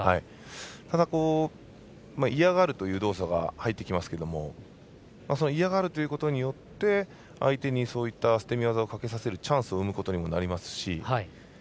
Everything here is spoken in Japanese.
ただ、嫌がるという動作が入ってきますけど嫌がるということによって相手にそういった捨て身技をかけさせるチャンスを生むことにもなりますし。